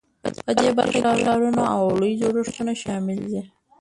په دې برخه کې ښارونه او لوی جوړښتونه شامل دي.